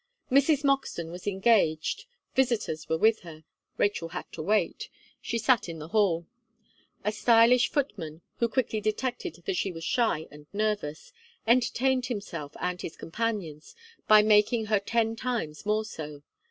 Mrs. Moxton was engaged visitors were with her Rachel had to wait she sat in the hall. A stylish footman, who quickly detected that she was shy and nervous, entertained himself and his companions, by making her ten times more so.